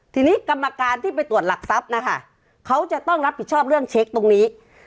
ทีนี้กรรมการที่ไปตรวจหลักทรัพย์นะคะเขาจะต้องรับผิดชอบเรื่องเช็คตรงนี้